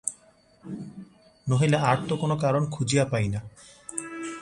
নহিলে আর তো কোনো কারণ খুঁজিয়া পাই না।